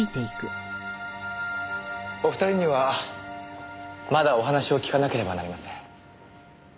お二人にはまだお話を聞かなければなりません。